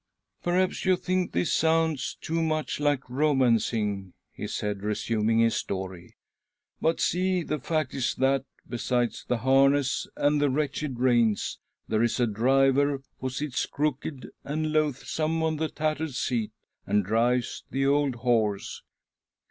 " Perhaps you think this sounds too much like romancing," he said, resuming his story ;" but see, the fact is that, besides the harness and the wretched reins, there is a driver, who sits crooked and loath some on the tattered seat, and drives *he old horse.